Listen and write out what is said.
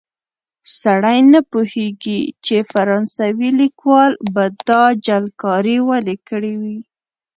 سړی نه پوهېږي چې فرانسوي لیکوال به دا جعلکاري ولې کړې وي.